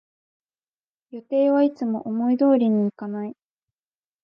予定はいつも思い通りにいかない